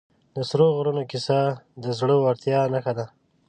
د سرو غرونو کیسه د زړه ورتیا نښه ده.